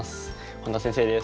本田先生です。